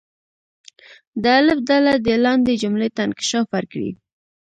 د الف ډله دې لاندې جملې ته انکشاف ورکړي.